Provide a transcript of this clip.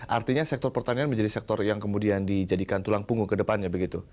artinya sektor pertanian menjadi sektor yang kemudian dijadikan tulang punggung ke depannya begitu